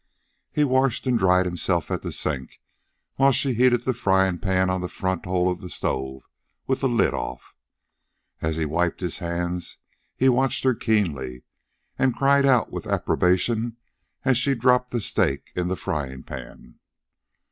He washed and dried himself at the sink, while she heated the frying pan on the front hole of the stove with the lid off. As he wiped his hands he watched her keenly, and cried out with approbation as she dropped the steak in the frying pan.